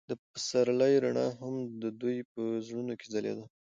د پسرلی رڼا هم د دوی په زړونو کې ځلېده.